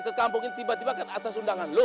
ke kampung ini tiba tiba kan atas undangan lo